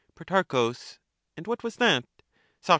Pro. And what was that ? Soc.